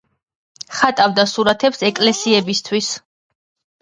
ხატავდა სურათებს ეკლესიებისათვის.